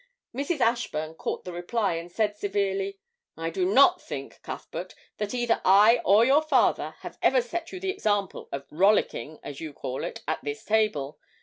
Mrs. Ashburn caught the reply, and said severely: 'I do not think, Cuthbert, that either I or your father have ever set you the example of "rollicking," as you call it, at this table.